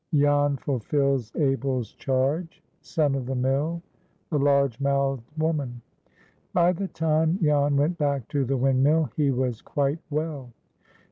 JAN FULFILS ABEL'S CHARGE.—SON OF THE MILL.—THE LARGE MOUTHED WOMAN. BY the time Jan went back to the windmill he was quite well.